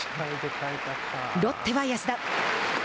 ロッテは安田。